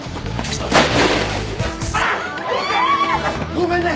ごめんね！